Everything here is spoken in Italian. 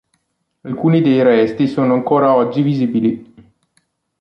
Alcuni dei resti sono ancora oggi visibili.